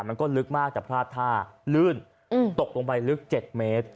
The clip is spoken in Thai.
มันก็ลึกมากแต่พลาดท่าลื่นตกลงไปลึก๗เมตร